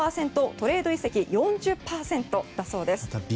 トレード移籍４０％だそうです。